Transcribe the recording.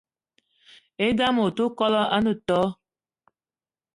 E'dam ote kwolo ene too